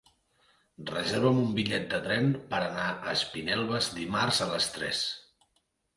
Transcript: Reserva'm un bitllet de tren per anar a Espinelves dimarts a les tres.